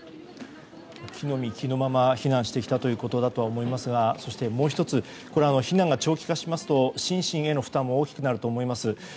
着の身着のまま避難してきたということだと思いますがそして、もう１つ避難が長期化しますと心身への負担が大きくなると思います。